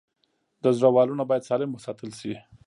د زړه والونه باید سالم وساتل شي.